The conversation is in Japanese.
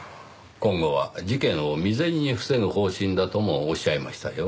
今後は事件を未然に防ぐ方針だともおっしゃいましたよ。